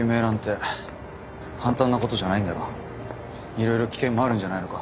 いろいろ危険もあるんじゃないのか？